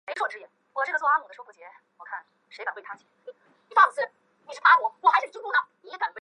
位于东京都北区南部。